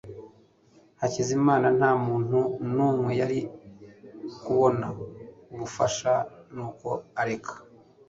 Hakizamana nta muntu n'umwe yari kubona ubufasha nuko areka